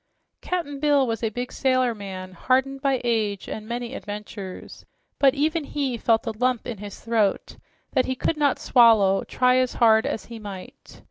Cap'n Bill was a big sailor man hardened by age and many adventures, but even he felt a "Lump in his throat" that he could not swallow, try as hard as he might.